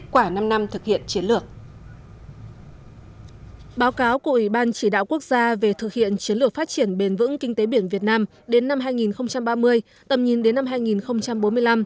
thưa quý vị sáng nay tại trụ sở chính phủ phó thủ tướng trần ông hà chủ tịch ủy ban chỉ đạo quốc gia về thực hiện chiến lược phát triển bền vững kinh tế biển việt nam đến năm hai nghìn ba mươi tầm nhìn đến năm hai nghìn bốn mươi năm